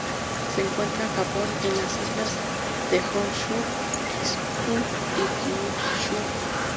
Se encuentra en Japón en las islas de Honshu, Shikoku y Kyushu.